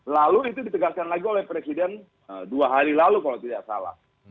lalu itu ditegaskan lagi oleh presiden dua hari lalu kalau tidak salah